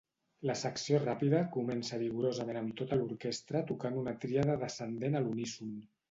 La secció ràpida comença vigorosament amb tota l'orquestra tocant una tríada descendent a l'uníson.